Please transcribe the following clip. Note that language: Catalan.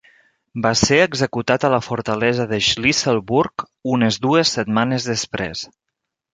Va ser executat a la fortalesa de Shlisselburg unes dues setmanes després.